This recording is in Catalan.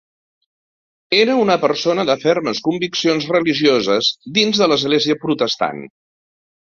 Era una persona de fermes conviccions religioses dins de l'església protestant.